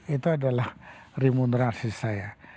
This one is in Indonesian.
itu adalah remunerasi saya